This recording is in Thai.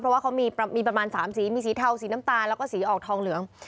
เพราะว่าเขามีประมาณ๓สีมีสีเทาสีน้ำตาลแล้วก็สีออกทองเหลือง